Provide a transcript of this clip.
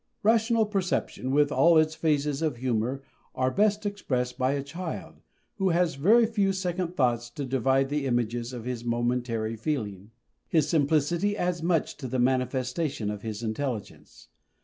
Rational perception, with all its phases of humour, are best expressed by a child, who has few second thoughts to divide the image of his momentary feeling. His simplicity adds much to the manifestation of his intelligence.